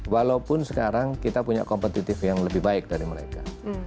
walaupun sekarang kita punya kompetitif yang lebih baik dari mereka